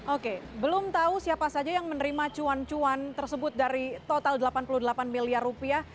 oke belum tahu siapa saja yang menerima cuan cuan tersebut dari total delapan puluh delapan miliar rupiah